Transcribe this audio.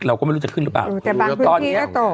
เราก็ไม่รู้จะขึ้นหรือเปล่าอืมแต่บางพื้นที่ก็ตกตอนเนี้ย